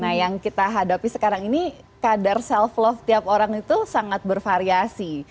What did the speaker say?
nah yang kita hadapi sekarang ini kadar self love tiap orang itu sangat bervariasi